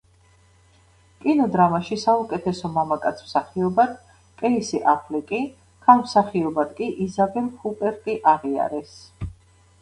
კინოდრამაში საუკეთესო მამაკაც მსახიობად კეისი აფლეკი, ქალ მსახიობად კი იზაბელ ჰუპერტი აღიარეს.